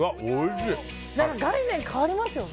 概念、変わりますよね。